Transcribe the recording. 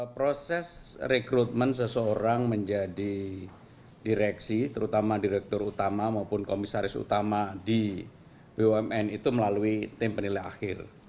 proses rekrutmen seseorang menjadi direksi terutama direktur utama maupun komisaris utama di bumn itu melalui tim penilai akhir